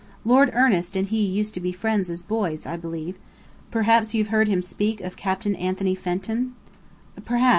Lord Ernest and he used to be friends as boys, I believe. Perhaps you've heard him speak of Captain Anthony Fenton?" "Perhaps.